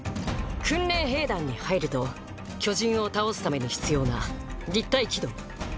「訓練兵団」に入ると巨人を倒すために必要な「立体機動」